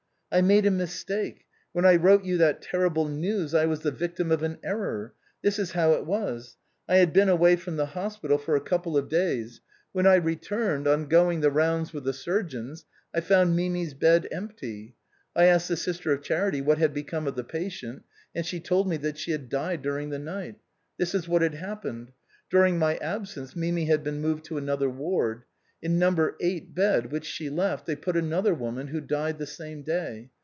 " I made a mistake. When I wrote you that terrible news I was the victim of an error. This is how it was: I had been away from the hospital for a couple of days. 336 THE BOHEMIANS OF THE LATIN QUARTER. When I returned, on going the rounds with the surgeons, 1 found Mimi's bed empty. I asked the sister of charity what had become of tlie patient, and she tokl me that she had died during the night. This is what had happened. During my absence Mimi had been moved to another ward. In No. 8 bed, which she left, they put another woman who died the same day.